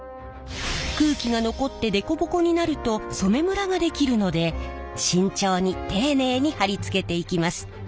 空気が残ってデコボコになると染めむらが出来るので慎重に丁寧に貼り付けていきます。